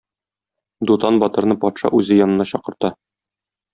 Дутан батырны патша үзе янына чакырта.